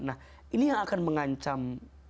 nah ini yang akan mengancam